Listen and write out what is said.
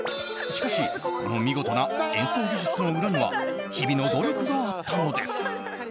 しかし、この見事な演奏技術の裏には日々の努力があったのです。